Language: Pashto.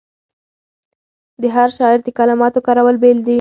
د هر شاعر د کلماتو کارول بېل وي.